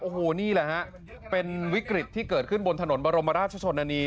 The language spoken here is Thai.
โอ้โหนี่แหละฮะเป็นวิกฤตที่เกิดขึ้นบนถนนบรมราชชนนานี